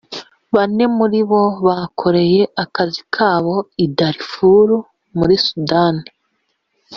bane muri bo bakoreye akazi kabo i Darfour muri Sudan